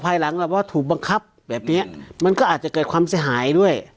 ภายหลังแล้วว่าถูกบังคับแบบเนี้ยมันก็อาจจะเกิดความเสียหายด้วย